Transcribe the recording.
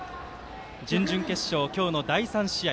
準々決勝、今日の第３試合。